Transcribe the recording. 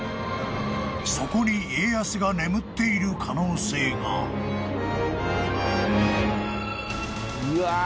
［そこに家康が眠っている可能性が］うわ！